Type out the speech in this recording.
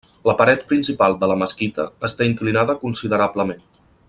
La paret principal de la mesquita està inclinada considerablement.